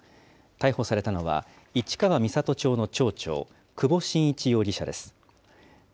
逮捕されたのは、市川三郷町の町長、久保眞一容疑者です。